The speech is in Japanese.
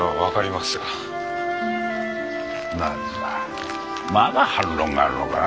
まだ反論があるのか？